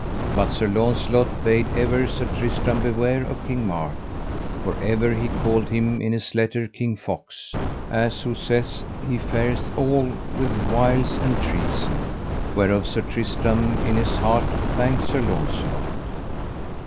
But Sir Launcelot bade ever Sir Tristram beware of King Mark, for ever he called him in his letters King Fox, as who saith, he fareth all with wiles and treason. Whereof Sir Tristram in his heart thanked Sir Launcelot.